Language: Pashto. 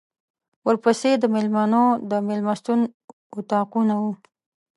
ورپسې د مېلمنو د مېلمستون اطاقونه وو.